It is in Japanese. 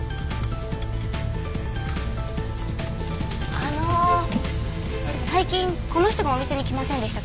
あの最近この人がお店に来ませんでしたか？